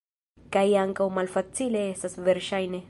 Kaj ankaŭ malfacile estas, verŝajne.